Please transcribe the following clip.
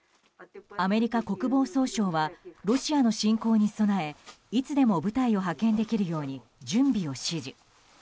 アメリカ国防総省はロシアの侵攻に備えいつでも部隊を派遣できるように準備を指示。